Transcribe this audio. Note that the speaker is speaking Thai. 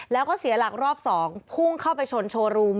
แล้วก็เสียหลักรอบ๒พุ่งเข้าไปชนโชว์รูม